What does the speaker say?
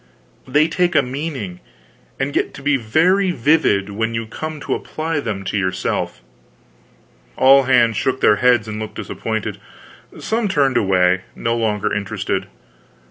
They take a meaning, and get to be very vivid, when you come to apply them to yourself. All hands shook their heads and looked disappointed; some turned away, no longer interested.